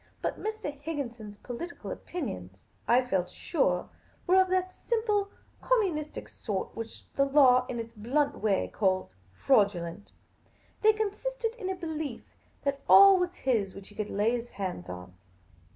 But Mr. Higginson's political opinions, I felt sure, were of that simple communistic sort which the law in its blunt way calls fraudulent. They consisted in a belief that all was his which he could lay his hands on.